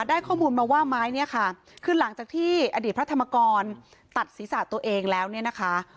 ข้อมูลมาว่าไม้เนี่ยค่ะคือหลังจากที่อดีตพระธรรมกรตัดศีรษะตัวเองแล้วเนี่ยนะคะ